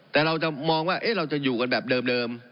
แต่เราจะมองว่าเราจะอยู่กันแบบเดิม